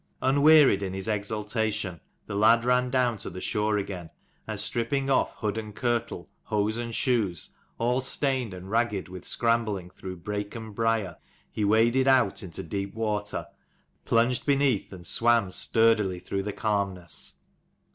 Unwearied in his exultation, the lad ran down to the shore again, and stripping off hood and kirtle, hose and shoes, all stained and ragged with scrambling through brake and briar, he waded out into deep water, plunged beneath, and swam sturdily through the calm ness.